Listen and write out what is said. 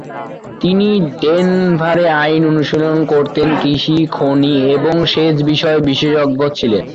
তিনি ডেনভারে আইন অনুশীলন করতেন, কৃষি, খনি এবং সেচ বিষয়ে বিশেষজ্ঞ ছিলেন।